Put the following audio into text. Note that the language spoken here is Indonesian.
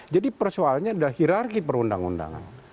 jadi persoalannya adalah hirarki perundang undangan